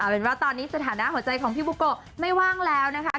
เป็นว่าตอนนี้สถานะหัวใจของพี่บุโกะไม่ว่างแล้วนะคะ